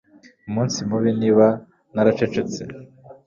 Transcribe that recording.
Umunsi mubi! Niba naracecetse